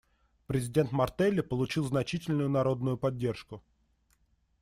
Президент Мартелли получил значительную народную поддержку.